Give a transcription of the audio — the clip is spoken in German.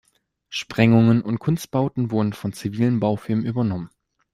Sprengungen und Kunstbauten wurde von zivilen Baufirmen übernommen.